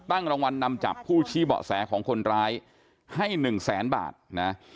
รางวัลนำจับผู้ชี้เบาะแสของคนร้ายให้หนึ่งแสนบาทนะ